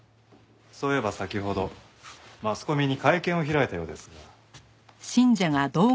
そういえば先ほどマスコミに会見を開いたようですが。